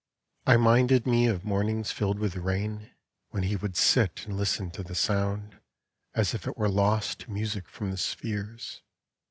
I minded me of mornings filled with rain When he would sit and listen to the sound As if it were lost music from the spheres.